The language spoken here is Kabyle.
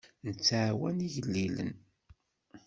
Nettɛawan igellilen.